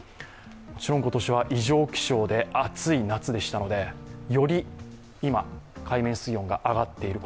今年は異常気象で暑い夏でしたのでより、今、海面水温が上がっている。